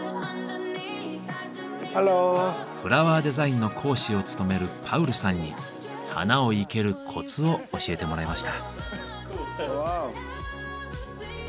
フラワーデザインの講師を務めるパウルさんに花を生けるコツを教えてもらいました。